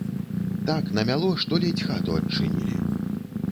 Так намяло, што ледзь хату адчынілі.